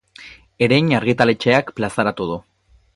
Erein argitaletxeak plazaratu du.